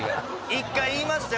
一回言いましたよ